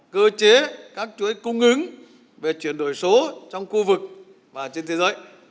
cơ chế các chuỗi cung ứng về chuyển đổi số trong khu vực và trên thế giới